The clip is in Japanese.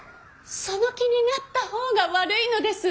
その気になった方が悪いのです。